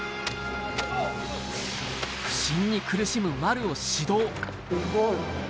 不振に苦しむ丸を指導。